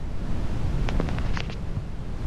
第三十六师与日军第三师团巷战。